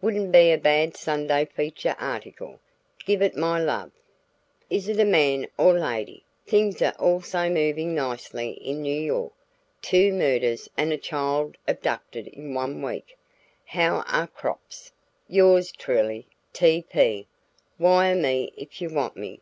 Wouldn't be a bad Sunday feature article. Give it my love. Is it a man or lady? Things are also moving nicely in New York two murders and a child abducted in one week. "How are crops? "Yours truly, "T. P. "Wire me if you want me."